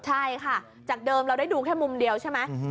ใช่ค่ะจากเดิมเราได้ดูแค่มุมเดียวใช่ไหม